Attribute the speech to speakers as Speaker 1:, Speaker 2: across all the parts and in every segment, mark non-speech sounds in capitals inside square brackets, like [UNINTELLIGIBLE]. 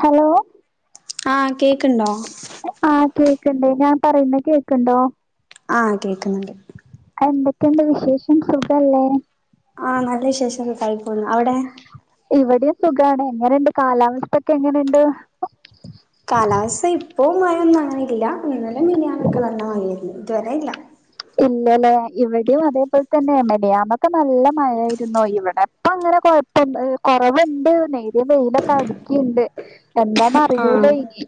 Speaker 1: Hello
Speaker 2: ആഹ് കേക്ക്ണ്ടോ
Speaker 1: ആഹ് കേക്ക്ണ്ട് ഞാൻ പറയുന്ന കേക്ക്ണ്ടോ
Speaker 2: ആഹ് കേക്ക്ന്ന്ണ്ട്
Speaker 1: എന്തെക്കെയുണ്ട് വിശേഷം സുഖല്ലേ
Speaker 2: ആഹ് നല്ല വിശേഷം സുകായി പോന്നു അവടെ?
Speaker 1: ഇവിടേം സുഖാണ് എങ്ങനെണ്ട് കാലാവസ്ഥൊക്കെ എങ്ങനെണ്ട്?
Speaker 2: കാലാവസ്ഥ ഇപ്പോം മയൊന്നും അങ്ങനെ ഇല്ല ഇന്നലെ മിനിയാനൊക്കെ നല്ല മയയാര്ന്നു ഇത് വരെ ഇല്ലാ
Speaker 1: ഇല്ലലേ ഇവിടേം അതേപോലെ തന്നെ മിനിയാന്നൊക്കെ നല്ല മഴായിരുന്നു ഇവിടെ ഇപ്പ അങ്ങനെ കൊഴ [UNINTELLIGIBLE] കൊറവ്ണ്ട് നേരിയ വെയിലൊക്കെ അടിക്ക്ണ്ട് എന്താ
Speaker 2: ആഹ്
Speaker 1: അറിയൂലാ ഇനി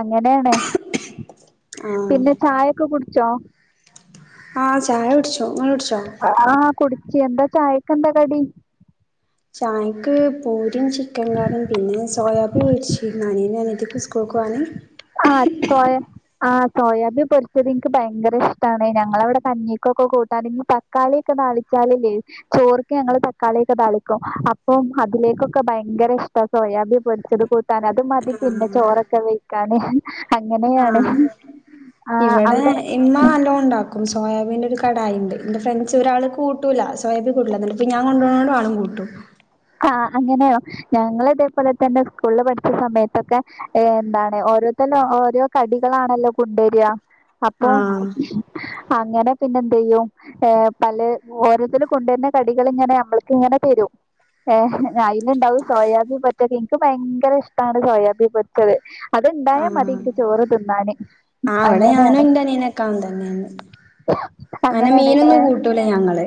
Speaker 1: അങ്ങനേണ്
Speaker 2: ആഹ്
Speaker 1: പിന്നെ ചായൊക്കെ കുടിച്ചോ?
Speaker 2: ആഹ് ചായ കുടിച്ചു ഇങ്ങള് കുടിച്ചോ
Speaker 1: ആഹ് കുടിച്ച് എന്താ ചായക്ക എന്താ കടി?
Speaker 2: ചായക്ക് പൂരിം ചിക്കൻ കറിം പിന്നെ സോയാബീ പൊരിച്ചിരുന്ന് അനിയനും അനിയത്തിക്കും സ് കൂൾക്കോവാന്
Speaker 1: ആഹ് സോയാ ആഹ് സോയാബി പൊരിച്ചത് ഇൻക്ക് ഭയങ്കര ഇഷ്ട്ടാണ് ഞങ്ങളെവിടെ കഞ്ഞിക്കൊക്കെ കൂട്ടാന് [UNINTELLIGIBLE] ക്കാളിയൊക്കെ താളിച്ചാലില്ലേ ചോർക്ക് ഞങ്ങള് തക്കാളിയൊക്കെ താളിക്കും അപ്പം അതിലേക്കൊക്കെ ഭയങ്കര ഇഷ്ട്ടാ സോയാബി പൊരിച്ചത് കൂ ട്ടാന് അത് മതി പിന്നെ ചോറൊക്കെ വൈയിക്കാന് അങ്ങനെയാണ് ആഹ് അവിടെ
Speaker 2: ഇമ്മാ നല്ലോണം ഇണ്ടാക്കും സോയാബീന്റൊരു കടായി ഇണ്ട് ഇന്റെ ഫ്രണ്ട്സ് ഒരാള് കൂട്ടൂലാ സ് സോയാബി കൂട്ടൂലാ ഇന്നട്ട് ഇപ്പ ഞാ കൊണ്ടോയാല് ആളും കൂട്ടും
Speaker 1: ആഹ് അങ്ങനെയോ? ഞങ്ങള് ഇതേപോലെ തന്നെ സ്കൂളില് പഠിച്ച സമയത്തൊക്കെ ഏഹ് എന്താണ് ഓരോത്തന്നെ ഓരോ കടികളാണല്ലോ കൊണ്ടേരാ അപ്പൊ
Speaker 2: ആഹ്
Speaker 1: അങ്ങനെ പിന്നെ എന്ത് ചെയ്യും ഏഹ് പല ഓരോത്തരും കൊണ്ടര്ന്ന കടികള് ഇങ്ങനെ ഞമ്മൾക്ക് ഇങ്ങനെ തരും ഏഹ് അയില്ണ്ടാവും സോയാബി പൊരിച്ചത് ഇൻക്ക് ഭയങ്കര ഇഷ്ട്ടാണ് സോയാബി പൊരിച്ചത് അത്ണ്ടായാ മതി ഇൻക്ക് ചോറ് തിന്നാന്
Speaker 2: ആഹ് ഇവിടെ ഞാനും
Speaker 1: അങ്ങനെയാണ്
Speaker 2: ഇന്റെ അനിയനൊക്കെ അങ്ങൻതന്നേയിര്ന്ന് അങ്ങനെ
Speaker 1: അങ്ങനെയാണ്ലേ.
Speaker 2: മീനൊന്നും കൂട്ടൂലാ ഞങ്ങള്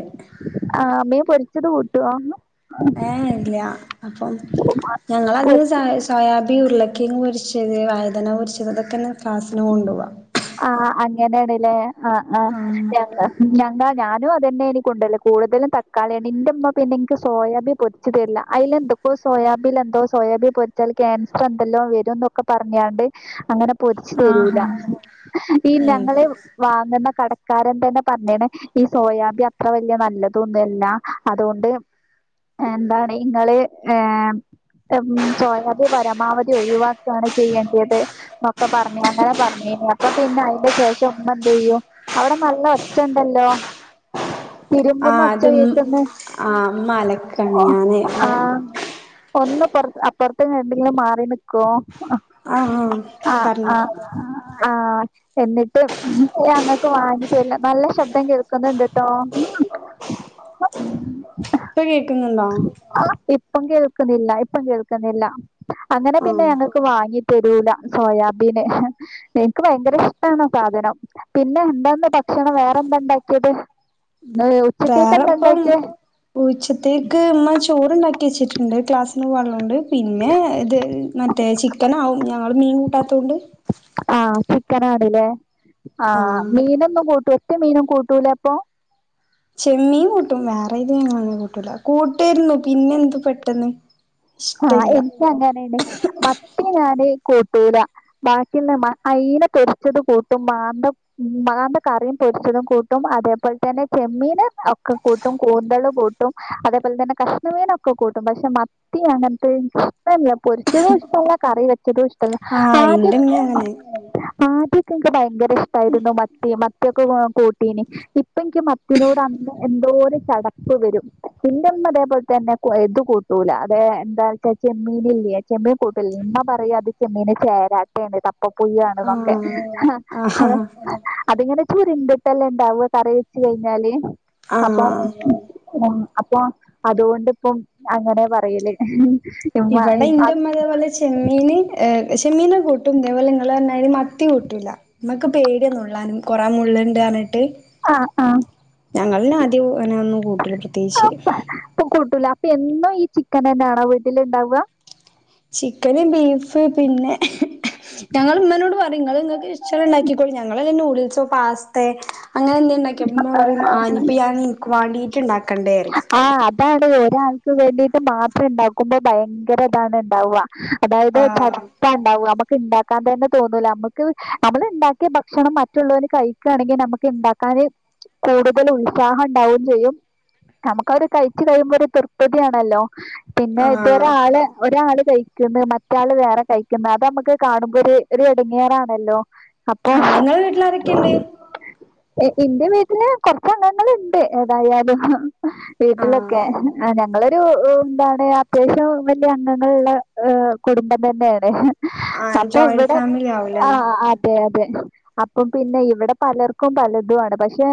Speaker 1: ആഹ് മീ പൊര്ച്ചത് കൂട്ടോ?
Speaker 2: ഏഹ് ഇല്ലാ അപ്പം
Speaker 1: പൊരി
Speaker 2: ഞങ്ങളതികോം [UNINTELLIGIBLE] സോയാബി ഉരുളക്കിഴങ്ങ് പൊരിച്ചത് വഴ്തന പൊരിച്ചത് ഇതൊക്കെന്നെ ക്ലാസ്സിന് കൊണ്ടോവാ
Speaker 1: ആഹ് അങ്ങനേണ്ലേ ആഹ് ആഹ്
Speaker 2: ആ
Speaker 1: ഞങ്ങ ഞങ്ങാ ഞാനും അതന്നെനി കൊണ്ടര്ല് കൂടുതലും തക്കാളിയാണ് ഇന്റെമ്മ പിന്നെ ഇൻക്ക് സോയാബി പൊരി ച്ച് തരില്ലാ അയില് എന്തൊക്കോ സോയാബീൽ എന്തോ സോയാബീൻ പൊരിച്ചാല് ക്യാൻസർ എന്തല്ലോ വരുന്നൊക്കെ പറഞ്ഞാണ്ട് അങ്ങനെ പൊരിച്ച്
Speaker 2: ആഹാ
Speaker 1: തെരൂലാ ഈ
Speaker 2: ഉം
Speaker 1: ഞങ്ങള് വാങ്ങുന്ന കടക്കാരൻ തന്നെ പറഞ്ഞ്ണ് ഈ സോയാബി അത്ര വല്ല്യ നല്ലതൊന്നു അല്ലാ അതുകൊണ്ട് എന്താണ് ഇങ്ങള് ഏഹ് ഉം സോയാബീൻ പരമാവധി ഒഴിവാക്കാണ് ചെയ്യേണ്ടിത് ഒക്കെ പറഞ്ഞ് അങ്ങനെ പറഞ്ഞീനി അപ്പ അപ്പൊ പിന്നെ അയിന്റെ ശേഷം ഉമ്മന്തെയ്യു അവിടെ നല്ല ഒച്ച ഇണ്ടല്ലോ
Speaker 2: ആ
Speaker 1: തിരുമ്പുന്ന ഒച്ച
Speaker 2: അത്
Speaker 1: കേക്ക്ന്ന്
Speaker 2: ആ ഉമ്മ അലക്കാണ് ഞാന്
Speaker 1: ആഹ് ഒന്ന് ഇപ്പർത്ത് അപ്പർത്ത് എന്തെങ്കിലും മാറി നിക്കോ
Speaker 2: ആ ആ
Speaker 1: ആഹ്
Speaker 2: പറഞ്ഞോ
Speaker 1: ആഹ് ആഹ് എന്നിട്ട് ഞങ്ങക്ക് വാങ്ങിതരില്ല നല്ല ശബ്ദം കേൾക്കുന്നുണ്ട് ട്ടോ [INAUDIBLE]
Speaker 2: ഇപ്പ കേക്കുന്നുണ്ടോ
Speaker 1: ആഹ് ഇപ്പം കേൾക്കുന്നില്ല ഇപ്പം കേൾക്കുന്നില്ല അങ്ങനെ പിന്നെ
Speaker 2: ആ
Speaker 1: ഞങ്ങക്ക് വാങ്ങി തെരൂല സോയാബീന് എനിക്ക് ഭയങ്കര ഇഷ്ടാണ് സാധനം പിന്നെ എന്താന്ന് ഭക്ഷണം വേറെന്താ ഇണ്ടാക്കിയത് ഇന്ന് ഉച്ചക്കേക്കന്നെ
Speaker 2: വേറെപ്പം
Speaker 1: ഇണ്ടാക്കിയേ
Speaker 2: ഉച്ചത്തേക്ക് ഇമ്മ ചോറ്ണ്ടാക്കി വെച്ചിട്ട്ണ്ട് ക്ലാസ്സിന് പോകാനുള്ളതൊണ്ട് പിന്നെ ഇത് മറ്റേ ചിക്കനാകും ഞങ്ങള് മീൻ കൂട്ടാത്തോണ്ട്
Speaker 1: ആഹ് ചിക്കനാണ് ല്ലേ ആഹ് മീനൊന്നും കൂട്ടൂ ഒറ്റ മീനും കൂട്ടൂലെ അപ്പം
Speaker 2: ചെമ്മീൻ കൂട്ടും വേറേത് മീനൊന്നും കൂട്ടൂല കൂട്ടേരുന്നു പിന്നെ എന്ത് പെട്ടെന്ന്
Speaker 1: ആഹ്
Speaker 2: ഇഷ്ടല്ല
Speaker 1: എനിക്ക് അങ്ങനെയിനി മത്തി ഞാന് കൂട്ടൂല ബാക്കിള്ള അയില പൊരിച്ചത് കൂട്ടും മാന്ത ഉം മാന്ത കറിയും പൊരിച്ചതും കൂട്ടും അതേപോലെ തന്നെ ചെമ്മീന് ഒക്കെ കൂട്ടും കൂന്തള് കൂട്ടും ട്ടും അതേപോലെ തന്നെ കഷ്ണമീനൊക്കെ കൂട്ടും പക്ഷെ മത്തി മത്തി അങ്ങൻത്തെ ഇൻകിഷ്ടല്ല പൊരിച്ചതൂഷ്ടല്ല കറി വെച്ചതൂഷ്ടല്ല
Speaker 2: ആഹ്
Speaker 1: ആദ്യ
Speaker 2: ഇന്റെമ്മ അങ്ങനെ
Speaker 1: ആദ്യക്കെ ഇൻക്ക് ഭയങ്കര ഇഷ്ടായിരുന്നു മത്തി മ മത്തിഒക്കെ നല്ലോം കൂട്ടീനി ഇപ്പിൻക്ക് മത്തിനോട് അന്ന് എന്തോലം ചടപ്പ് വരും ഇൻ്റമ്മ ഇതേപോലെ തന്നെ ഏ ഇതു കൂട്ടൂല ഏഹ് എന്താച്ചാ ചെമ്മീനില്ലേ ചെമ്മീൻ കൂട്ടൂല ഇമ്മ പറയുഅത് ചെമ്മീന് ചേരാ ട്ടേണ് തപ്പപുഴു ആണ്ന്നൊക്കെ
Speaker 2: ആഹ് ആഹ്
Speaker 1: അത് ഇങ്ങനെ ചുരുണ്ട്ട്ടല്ലെ ഇണ്ടാവ കറി വെച്ച് കഴിഞ്ഞാല് അപ്പം
Speaker 2: ആഹ്
Speaker 1: ആഹ് അപ്പൊ അതുകൊണ്ടിപ്പം അങ്ങനെ പറയല് ഇമ്മ
Speaker 2: ഇവടെ
Speaker 1: ഇമ്മ
Speaker 2: ഇൻ്റമ്മതേപോലെ ചെമ്മീന് ഏഹ് ചെമ്മീനൊക്കെ കൂട്ടും ഇതേപോലെ നിങ്ങള് പറഞ്ഞമാതിരി മത്തി കൂട്ടൂല ഇമ്മക്ക് പേടിയന്നുള്ളാന് കൊറേ മുള്ള്ണ്ട് പറന്നിട്ട്
Speaker 1: ആഹ് ആഹ്
Speaker 2: ഞങ്ങള് ആദ്യന്നെ ഒന്നും കൂട്ടല പ്രത്യേകിച്ച്
Speaker 1: ഇപ്പം കൂട്ടൂല അപ്പം എന്നും ഈ ചിക്കനെന്നാണോ വീട്ടില് ഇണ്ടാവ
Speaker 2: ചിക്കന് ബീഫ് പിന്നെ ഞങ്ങൾ ഇമ്മനോട് പറിം ഇങ്ങള് ഇങ്ങൾക്ക് ഇഷ്ട്ടല്ല ഇണ്ടാക്കിക്കോളി ഞങ്ങള് വല്ല നൂഡിൽസോ പാസ്തേ അങ്ങനെ എന്തേ ഉണ്ടാക്കിയ ഇമ്മ പറിം ആഹ് ഇപ്പ ഞാൻ ഇൻക്ക് വാണ്ടീട്ട്ണ്ടാക്കണ്ടെ റിം
Speaker 1: ആഹ് അതാണ് ഒരാക്ക് വേണ്ടിട്ട് മാത്രം ഇണ്ടാക്കുമ്പോ ഭയങ്കര ഇതാണ് ഇണ്ടാവ അതായത്
Speaker 2: ആഹ്
Speaker 1: ചടപ്പാ ഇണ്ടാവ നമ ഇണ്ടാക്കാൻ തന്നെ തോന്നൂല നമുക്ക് നമ്മള് ഇണ്ടാക്കിയ ഭക്ഷണം മറ്റുള്ളവന് കഴിക്കാണെങ്കിൽ നമുക്ക് ഉണ്ടാക്കാനെ കൂടുതൽ ഉത്സാഹണ്ടാവും ചെയ്യും നമുക്ക് അവര് കഴിച്ച് കഴിയുമ്പോ ഒരു തൃപതിയാണല്ലോ പിന്നെ
Speaker 2: ആഹ്
Speaker 1: ഇതൊരാള് ഒരാള് കഴിക്കുന്നു മറ്റാള് വേറെ കഴിക്കുന്ന് അത് നമ്മുക്ക് കാണുമ്പോ ഒര് ഒര് എടങ്ങേറാണല്ലോ അപ്പോ [INAUDIBLE]
Speaker 2: ആഹ് ഇങ്ങളെ വീട്ടില് ആരൊക്കെണ്ട്
Speaker 1: എ എന്റെവീട്ടില് കൊർച്ചങ്ങങ്ങള്ണ്ട് ഏതായാലും
Speaker 2: ആഹ്
Speaker 1: വീട്ട്ലൊക്കെ ആ ഞങ്ങളൊരു ന്താണ് അത്യാവശ്യം വെല്ല്യ അംഗങ്ങള്ള്ളെ കുടുംബം തെന്നേണ്
Speaker 2: ആഹ് ജോയിന്റ്
Speaker 1: അപ്പൊഇവടെ
Speaker 2: ഫാമിലി ആവുല്ലേ
Speaker 1: ആഹ് അ തെഅതെ അപ്പംപിന്നെഇവടെ പലർക്കുംപലതുആണ് പക്ഷേ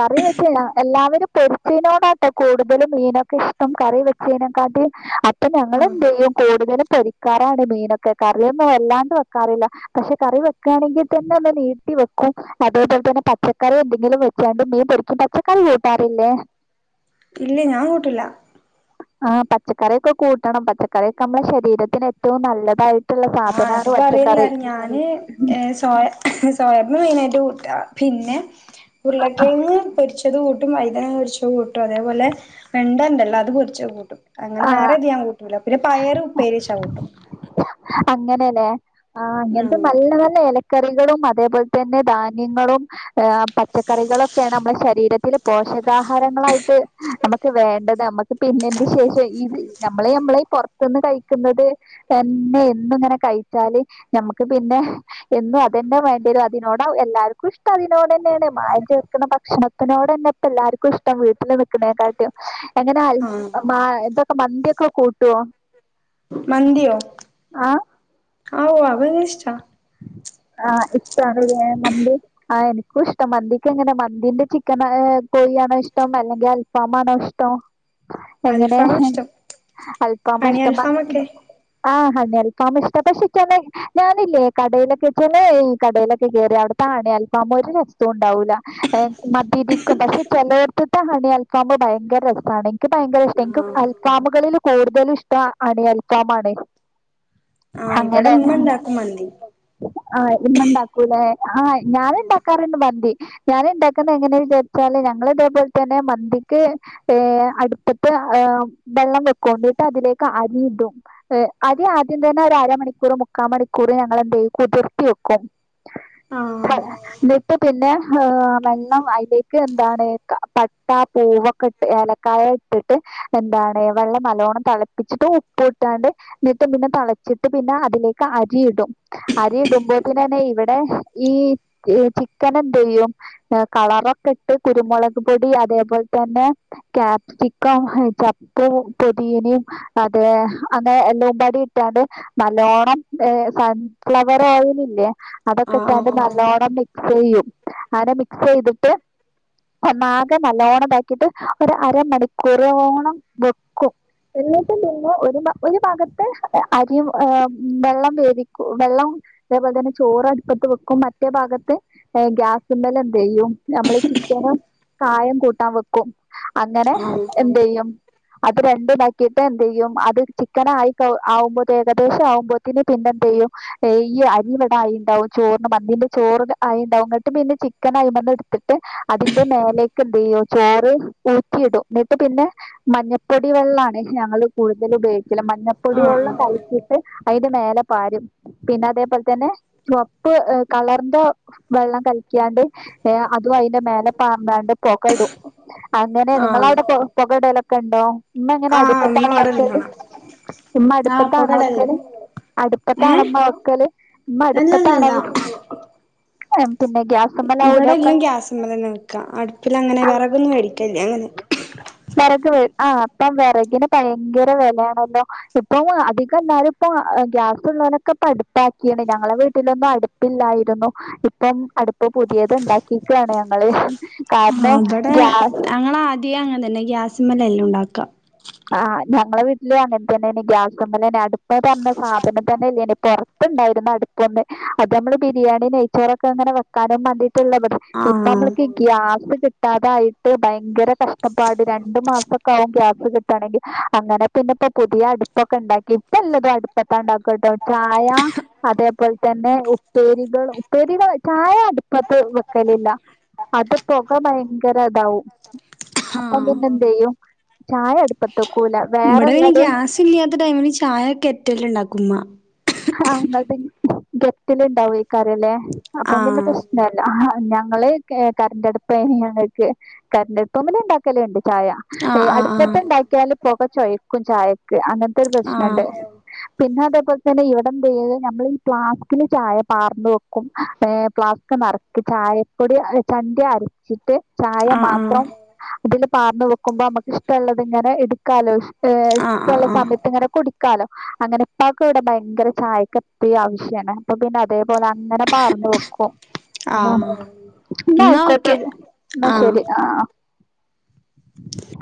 Speaker 1: കറിവെച്ചഞാ എല്ലാവരും പൊരിച്ചീയിനോടാട്ടോ കൂടുതലും മീനൊക്കെഷ്ടം കറി വെച്ചെയ്നെക്കാട്ടി അപ്
Speaker 2: ആഹ്
Speaker 1: ഇപ്പംഞങ്ങളെന്തെയ്യും കൂടുതലും പൊരിക്കാറാണ് മീനൊക്കെ കറിയൊന്നും വെല്ലാണ്ട് വെക്കാറില്ല പക്ഷെ കറി വെക്കാണെങ്കിത്തെന്നൊന്ന്നീട്ടി വെക്കും [UNINTELLIGIBLE] പച്ചക്കറി എന്തെങ്കിലുംവെച്ചാണ്ട് മീൻ പൊരിക്കും പച്ചക്കറികൂട്ടാറില്ലേ
Speaker 2: ഇല്ല്യേ ഞാൻകൂട്ടില്ല
Speaker 1: ആ പച്ചക്കറിയൊക്കെകൂട്ടണം പച്ചക്കറിയൊക്കെഅമ്മളശെരീരത്തിന് ഏറ്റവും നല്ലതായി
Speaker 2: ആ അത് പറയില്ല ഞാന് ഏ സോയ സോയാബിമെയിനായിട്ട്കൂട്ട പിന്നെ ഉർളകെങ് പൊരിച്ചത്കൂട്ടും വൈതനപൊരിച്ചത് കൂട്ടും അതേപോലെ വെണ്ടണ്ടല്ലോ അത്പൊരിച്ചത്കൂട്ടും അങ്ങനെ
Speaker 1: ആ
Speaker 2: വേറേതും ഞാൻ കൂട്ടൂല പിന്നെ പയറ് ഉപ്പേരിച്ചാകൂട്ടും
Speaker 1: അങ്ങനെല്ലേ ആ അങ്ങൻത്തെ
Speaker 2: ആഹ്
Speaker 1: നല്ല നല്ല എല കറികളും അതേപോൽത്തെന്നെ ധാന്യങ്ങളും ഏഹ് പച്ചക്കറികളൊക്കേണ് അമ്മളെ ശരീരത്തില് പോഷകാഹാരങ്ങളായിട്ട് നമ്മക്ക് വേണ്ടത് നമ്മ പിന്നെന്റെശേഷയ് ഇത് നമ്മള് നമ്മള് പൊർത്ത്ന്ന് കയ്ക്ക്ന്നത് തെന്നെ എന്നും ങ്ങനെ കയ്ച്ചാല് ഞമ്മക്ക് പിന്നെ എന്നും അതെന്നേവേണ്ടിയരാ എന്നും അതെന്നെ വേണ്ടിയെരും അതിനോടാവും എല്ലാവർക്കും ഇഷ്ടം അതിനോടെന്നേണ് മായം ചേർക്ക്‌ണ ഭക്ഷണം തിനോടെന്നെപ്പം എല്ലാര്ക്കുഷ്ടം വീട്ടില്നിക്ക്‌ണേകാ ട്ടിയും എങ്ങനെ ആള്
Speaker 2: ആഹ്
Speaker 1: മാ ഇതൊക്കെ മത്യോക്കെ കൂട്ടോ
Speaker 2: മന്ത്യോ
Speaker 1: ആ
Speaker 2: ആഹ് അവനിഷ്റ്റ
Speaker 1: ആ ഇഷ്ടാണ്ലേ മന്തി ആ എനിക്കുംഷ്ട മന്തിക്കെങ്ങനെ മന്തിന്റെ ചിക്കന ഏഹ് കോഴിയാണോ ഇഷ്ടം അല്ലെങ്കി അൽഫാമാണോ ഇഷ്ട്ടം എങ്ങനേ
Speaker 2: അൽഫാമാ ഇഷ്ടം ഹണി
Speaker 1: അൽഫാമാഷ്ട്ടം മ
Speaker 2: അൽഫാമൊക്കെ
Speaker 1: ആഹ് ഹണി അൽഫാമ്ഷ്ട പക്ഷെ ചെലെ ഞാനില്ലേ കടേലൊക്കെ ചെലെ കടേലൊക്കെ കേറിയഅവിടെത്തേ ഹണിഅൽഫാമൊര് രസോണ്ടാവൂല എ മത് രിക്കും പക്ഷെ ചേലോട്ത്ത്ത്തെ ഹണിഅൽഫാമ് ഭയങ്കരസാണ് ഇൻക്ക് ഭയങ്കരഷ്ട ഇൻക്ക്
Speaker 2: ആഹ്
Speaker 1: അൽഫാമുകളില് കൂടുതലും ഇഷ്ടം ഹണിഅൽഫാമാണ്
Speaker 2: ആഹ് ഇവിടെ
Speaker 1: അങ്ങനെ
Speaker 2: ഉമ്മ ഇണ്ടാക്കും മന്തി
Speaker 1: ആഹ് ഇമ്മണ്ടാക്കൂലേ ആ ഞാന് ണ്ടാക്കാറ്ണ്ട് മന്തി ഞാന് ണ്ടാക്കുന്ന എങ്ങനെ വിചാരിച്ചാല് ഞങ്ങള്തേപോൽതന്നെ മന്തിക്ക് ഏ അടുപ്പത്ത് വെള്ളംവെക്കും ന്ന്ട്ട് അതിലേക്ക് അരിടും ഏഹ് അരി ആദ്യം തെന്നെ ഒരരമ ണിക്കൂറും മുക്കാമണിക്കൂറും ഞങ്ങളെന്തെയ്യും കുതിർത്തിവെക്കും
Speaker 2: ആഹ്
Speaker 1: ന്ന്ട്ട് പിന്നെ വെള്ളം അയ്ലേക്ക് എന്താണ് പട്ട, പൂവക്കെട്ട് ഏലക്കായ ട്ടിട്ട് എന്താണ് വെള്ളം നല്ലോണം തളപ്പിച്ചിട്ട് ഉപ്പുട്ടാണ്ട് ന്ന് ന്ന്ട്ട് പിന്നെ തളച്ചി ട്ട് പിന്നെ അതിലേക്ക് അരി ഇടും അരി ഇടുമ്പോത്തിനെന്നെ ഇവടെ ഈ ചിക്കനെന്തെയ്യും ഏ കളറൊക്കെട്ട് കുരുമൊളക്പൊടി അതേപോൽത്തെന്നെ ക്യാപ്‌സിക്കം ചപ്പും പൊതീനിം അതെ അങ്ങനെ എല്ലൊമ്പാടി ഇട്ടാണ്ട് നല്ലോണ്ണം സൺഫ്ലവർഓയലില്ലേ അതൊക്കെ ഇട്ടാണ്ട്
Speaker 2: ആഹ്
Speaker 1: നല്ലോണം മിക് സെയ്യും അങ്ങനെ മിക്സെയ്ത്ട്ട് ഒന്നാകെ നല്ലോണംതാക്കിട്ട് ഒരു അരമണിക്കൂറോളം വെക്കും എന്നിട്ടും പിന്നെഒരുഭാഒരുഭാഗത്ത് അരിയും വെള്ളംവേവിക്കും വെള്ളം അതേപോൽതന്നെ ചോറഅടുപ്പത്ത് വെക്കും മറ്റേഭാഗത്ത് ഏഹ് ഗ്യാസ്മ്മലന്തയ്യും നമ്മള് ചിക്കനും കായംകൂട്ടാവെക്കും അങ്ങനെ
Speaker 2: ആഹ്
Speaker 1: എന്തയ്യും അത് രണ്ടും താക്കിയിട്ട് എന്ത്യ്യും അത് ചിക്കന് ആയി ആവുമ്പോ. ഏകദേശം ആവുമ്പോത്തിന് പിന്നെ എന്തിയ്യും. ഈ അരി ഇവിടെ ആയിണ്ടാവും ചോറിന് മന്തിന്റെ ചോറ് ആയി ഉണ്ടാവും ന്നിട്ട് പിന്നെ ചിക്കനായിമന്ന് എടുത്തിട്ട് അതിന്റെ മേലേക്ക് എന്തയും ചോറ് ഊറ്റിയിടും എന്നിട്ട് പിന്നെ മഞ്ഞപ്പൊടി വെള്ളണ് ഞങ്ങള് കൂടുതൽ ഉപയോഗിക്കല് മഞ്ഞപ്പൊടി
Speaker 2: ആഹ് ആഹ്
Speaker 1: വെള്ളം കലക്കി ട്ട് അതിന്റെ മേലെ പാരും പിന്നെ അതേപോലെ തന്നെ ചുവപ്പ് കളറിന്റെ വെള്ളം കലക്കിയാണ്ട് അതും അതിന്റെ മേലെ പാർന്നാണ്ട് പൊകടും
Speaker 2: ആഹ്
Speaker 1: അങ്ങനെയണ്
Speaker 2: ആഹ് ആഹ്
Speaker 1: നിങ്ങളവിടെ പുകടലൊക്കെ ഉണ്ടോ ഇമ്മ എങ്ങനെ
Speaker 2: ആഹ്
Speaker 1: അടുപ്പത്തെ
Speaker 2: ഉമ്മ ഇവടെ
Speaker 1: ആളക്കല്
Speaker 2: ഇരിന്നതാ
Speaker 1: ഇമ്മ അടുപ്പ
Speaker 2: ആഹ് ഇപ്പൊ
Speaker 1: ആണോ
Speaker 2: കടണ്ട്
Speaker 1: വക്കല് അടുപ്പത്താണൊ ഇമ്മ വക്കല് ഇമ്മ അടുപ്പത്താണോ
Speaker 2: അല്ലല്ലല്ല
Speaker 1: പിന്നെ ഗ്യാസ്
Speaker 2: ഇവിടെല്ലും ഗ്യാസ്മ്മലന്നെ വെക്കാ അടുപ്പിൽ അങ്ങനെ വിറകൊന്നും മേടിക്കലില്ല അങ്ങനെ
Speaker 1: വിറക് ഇ പ്പം വിറകിന് ഭയങ്കര വിലയാണല്ലോ ഇപ്പം അ എന്നാലും ഇപ്പോ ഗ്യാസുള്ളവനൊക്കെ ഇപ്പ അടുപ്പാക്കിയാണ് ഞങ്ങളെ വീട്ടിലൊന്നും അടുപ്പില്ലായിരുന്നു ഇപ്പം അടുപ് പുതിയത് ഉണ്ടാക്കിക്കാണ് ഞങ്ങള് കാരണം ഗ്യാസ്
Speaker 2: ഇതി അങ്ങനെന്നെ ഗാസ്മല എല്ലാം ഉണ്ടാക്ക
Speaker 1: ആഹ് ഞങ്ങളെ വീട്ടിലും അങ്ങനെ തന്നെ ഗ്യാസ്മലന്നെ അടുപ് ന്ന് പറഞ്ഞ സാധനം തന്നെല്ലേ ഇ പുറത്തുണ്ടായിരുന്നു അടുപ്പൊ ഒന്ന് അത് നമ്മള് ബിരിയാണി നെയ്ച്ചോറൊക്കെ അങ്ങനെ വെക്കാനും വേണ്ടിട്ടുള്ളത ഇബടെ ഇപ്പൊ
Speaker 2: ആഹ്
Speaker 1: നമ്മക്ക് ഗ്യാസ് കിട്ടാതായിട്ട് ഭയങ്കര കഷ്ടപ്പാട് രണ്ടു മാസം ക്കാവും ഗ്യാസ് കിട്ടുകവാണെങ്കിൽ അങ്ങനെ പിന്നെ ഇപ്പോ പുതിയ അടുപ്പൊക്കെ ഉണ്ടാക്കി ഇപ്പ എല്ലതും അടുപ്പത്താ ഉണ്ടാക്കട്ടോ ചായ അതേപോലെ തന്നെ ഉപ്പേരികൾ ഉപ്പേരികൾ ചായ അടുപ്പത്ത് വെക്കലില്ല അത് പുക ഭയങ്കര ഇതാവും അപ്പൊ
Speaker 2: ആഹ്
Speaker 1: പിന്നെന്ത്യ്യും ചായ അടു അടപ്പത്തക്കൂല
Speaker 2: ഇവിടെ പിന്നെ ഗ്യാസ് ഇല്ലാത്ത ടൈമില് ചായൊക്കെ കെറ്റലിലുണ്ടാക്കും ഇമ്മ
Speaker 1: ആഹ് അങ്ങത് ഗെറ്റല്ണ്ടാവും ഏകാരല്ലേ അപ്പം പിന്നെ
Speaker 2: ആഹ്
Speaker 1: പ്രശ്നം ല്ല ഞങ്ങള് കരന്റടുപ്പ ഞങ്ങൾക്ക് കരന്റടുപ്പുമ്മല് ഉണ്ടാക്കല്ണ്ട് ചായ
Speaker 2: ആഹ്
Speaker 1: അടുപ്പത്
Speaker 2: ആഹ്
Speaker 1: ഉണ്ടാക്കിയാല് പുക ചൊഴക്കും ചായക്ക് അങ്ങനത്തെ ഒരു
Speaker 2: ആഹ്
Speaker 1: പ്രശ്നണ്ട് പിന്നതേപോലെ പിന്നെ ഇവിടെ എന്ത് ചെയത് ഞമ്മള് ഈ പ്ലാസ്കില് ചായ പാർന് വെക്കും പ്ലാസ്ക് നിറച്ച് ചായ കുടി അത് ചണ്ടി ആകും ന്ന്ട്ട് ചായ
Speaker 2: ആഹ് ആഹ്
Speaker 1: മാത്രം അതില് പാർന്നു വെക്കുമ്പോ നമ്മുക്ക് ഇഷ്ടള്ളത് ഇങ്ങനെ എടു ക്കാലോ ഹ
Speaker 2: ആഹ് ആഹ്
Speaker 1: ഇഷ്ടള്ള
Speaker 2: ആഹ് ആഹ്
Speaker 1: സമയത്ത് ഇങ്ങനെ കുടിക്കാലോ അങ്ങനെപ്പ ക്ക് ഇവിടെ ഭയങ്കര ചായക് അത്തി ആവശ്യാണ് അപ്പൊ പിന്നെ അതേപോലെ അങ്ങനെ പാർന്ന് വെക്കും
Speaker 2: ആഹ്
Speaker 1: എന്ന
Speaker 2: എന്നാ
Speaker 1: ആയിക്കോട്ടെ
Speaker 2: ഓക്കെ
Speaker 1: എന്ന ശരി ആഹ്.